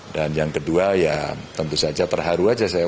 dan yang kedua ya tentu saja terharu aja saya